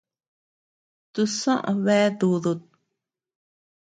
Tusoʼö bea dúdut.